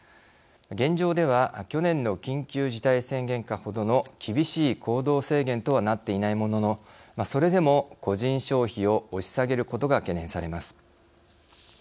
現状では去年の緊急事態宣言下ほどの厳しい行動制限とはなっていないもののそれでも個人消費を押し下げることが懸念されます。